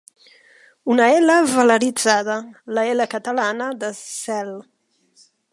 Una ela velaritzada: la ela catalana de 'cel'.